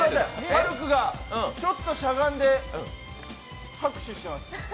ハルクがちょっとしゃがんで拍手してます。